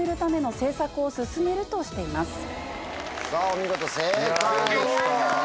お見事正解です。